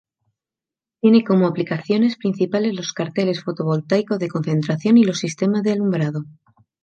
Tiene como aplicaciones principales los carteles fotovoltaicos de concentración y los sistemas de alumbrado.